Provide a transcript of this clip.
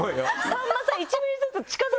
さんまさん。